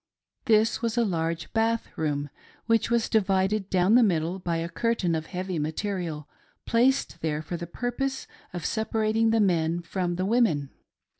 This was a large bath toom which was divided down the middle by a curtain of heavy material placed there for the pufpose of separating the men from the women.